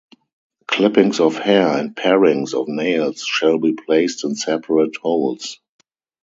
Clippings of hair and parings of nails shall be placed in separate holes.